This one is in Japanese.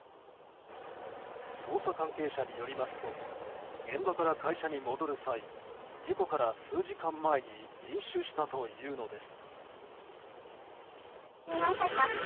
捜査関係者によりますと現場から会社に戻る際事故から数時間前に飲酒したというのです。